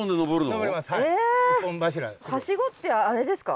はしごってあれですか？